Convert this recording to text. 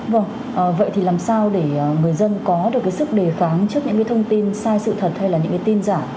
vâng vậy thì làm sao để người dân có được cái sức đề kháng trước những cái thông tin sai sự thật hay là những cái tin giả